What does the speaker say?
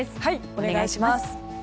お願いします。